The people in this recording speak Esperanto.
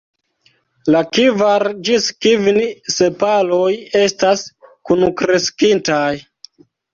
La kvar ĝis kvin sepaloj estas kunkreskintaj.